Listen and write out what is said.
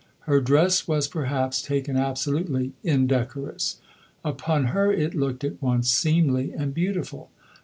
Her dress was, perhaps, taken absolutely, indecorous. Upon her it looked at once seemly and beautiful.